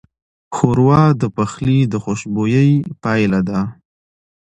ښوروا د پخلي د خوشبویۍ پایله ده.